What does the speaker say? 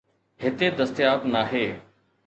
هتي دستياب ناهي.